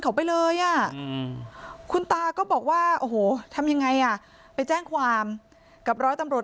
ของไปเลยอ่ะคุณตาก็บอกว่าโอ้ทำยังไงอ่ะไปแจ้งความกับ